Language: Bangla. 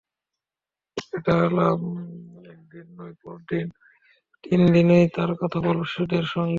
সেটা হলো, একদিন নয়, পরপর তিন দিনই তারা কথা বলবে শিশুদের সঙ্গে।